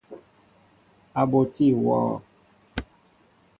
A ɓotí awɔɔ.